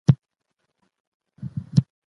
یووالی زموږ ځواک دی.